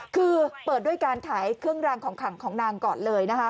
คือเปิดด้วยการขายเครื่องรางของขังของนางก่อนเลยนะคะ